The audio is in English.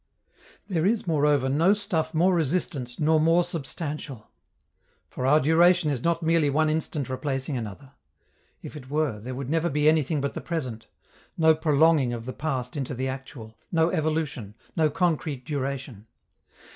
There is, moreover, no stuff more resistant nor more substantial. For our duration is not merely one instant replacing another; if it were, there would never be anything but the present no prolonging of the past into the actual, no evolution, no concrete duration.